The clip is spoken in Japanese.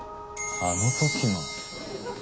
あの時の。